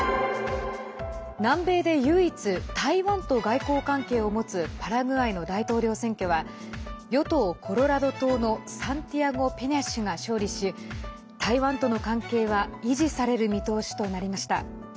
南米で唯一台湾と外交関係を持つパラグアイの大統領選挙は与党・コロラド党のサンティアゴ・ペニャ氏が勝利し台湾との関係は維持される見通しとなりました。